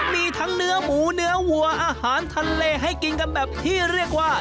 มีทั้งเนื้อหมูเนื้อวัวอาหารทะเลให้กินกันแบบที่เรียกว่า